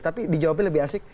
tapi dijawabnya lebih asik